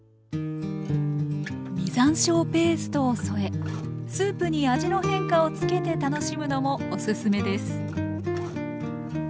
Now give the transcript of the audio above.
実山椒ペーストを添えスープに味の変化をつけて楽しむのもおすすめです